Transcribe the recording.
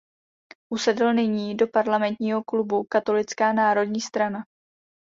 Usedl nyní do parlamentního klubu Katolická národní strana.